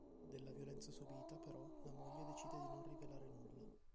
Della violenza subita, però, la moglie decide di non rivelare nulla.